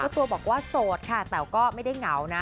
ตัวบอกว่าโสดค่ะแต่ก็ไม่ได้เหงานะ